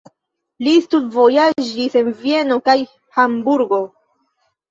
Li studvojaĝis en Vieno kaj Hamburgo.